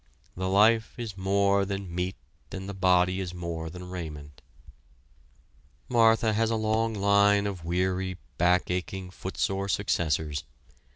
The life is more than meat and the body is more than raiment. Martha has a long line of weary, backaching, footsore successors.